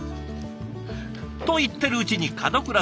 と言ってるうちに門倉さん